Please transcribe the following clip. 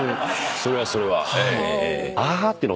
それはそれは。